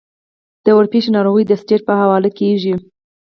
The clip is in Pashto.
د ورپېښې ناروغۍ د سټېج پۀ حواله کيږي -